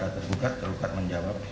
tergugat juga menjawab